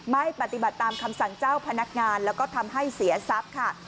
ไม่ปฏิบัติตามคำสั่งเจ้าพนักงานแล้วก็ทำให้เสียทรัพย์ค่ะ